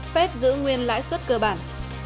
phép giữ nguyên lãi suất cơ bản